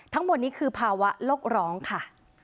ทั้งหมดนี้คือภาวะโลกร้องค่ะ